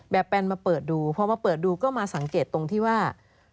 แปนมาเปิดดูพอมาเปิดดูก็มาสังเกตตรงที่ว่า